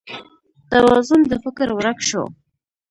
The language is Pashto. توازون د فکر ورک شو